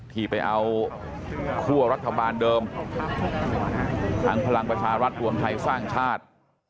ที่ไปเอาคั่วรัฐบาลเดิมทั้งพลังประชารัฐรวมไทยสร้างชาติ